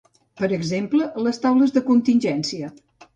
Per exemple, les taules de contingència.